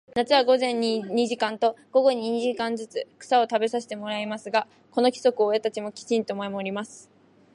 夏は午前に二時間と、午後に二時間ずつ、草を食べさせてもらいますが、この規則を親たちもきちんと守ります。